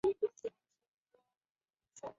青藏黄耆为豆科黄芪属的植物。